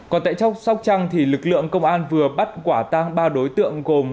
còn tại trong sóc trăng thì lực lượng công an vừa bắt quả tang ba đối tượng gồm